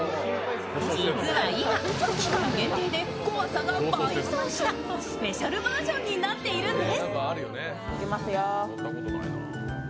実は今、期間限定で怖さが倍増したスペシャルバージョンになっているんです。